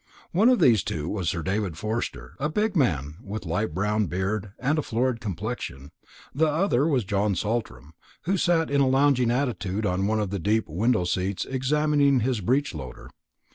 One of these two was Sir David Forster, a big man, with a light brown beard and a florid complexion. The other was John Saltram, who sat in a lounging attitude on one of the deep window seats examining his breech loader.